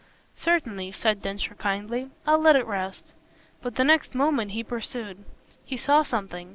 "Certainly," said Densher kindly, "I'll let it rest." But the next moment he pursued: "He saw something.